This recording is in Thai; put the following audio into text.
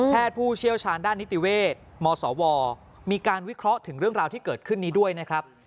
ผู้เชี่ยวชาญด้านนิติเวทมศวมีการวิเคราะห์ถึงเรื่องราวที่เกิดขึ้นนี้ด้วยนะครับ